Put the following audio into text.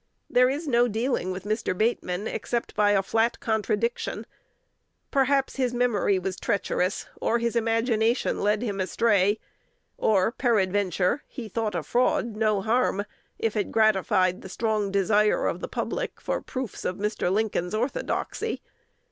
There is no dealing with Mr. Bateman, except by a flat contradiction. Perhaps his memory was treacherous, or his imagination led him astray, or, peradventure, he thought a fraud no harm if it gratified the strong desire of the public for proofs of Mr. Lincoln's orthodoxy.